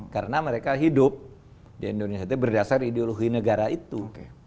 karena mereka hidup di indonesia berdasar ideologi negara itu